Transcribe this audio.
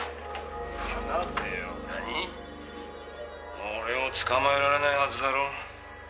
「もう俺を捕まえられないはずだろ？」